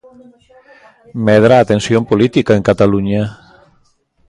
Medra a tensión política en Cataluña.